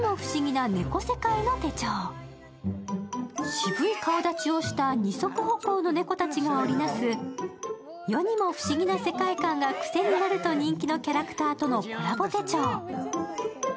渋い顔だちをした二足歩行の猫たちが織りなす世にも不思議な世界観が癖になるとの人気キャラクターとのコラボ手帳。